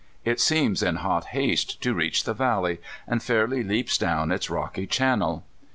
It seems in hot haste to reach the valley, and fairly leaps down its rocky channel.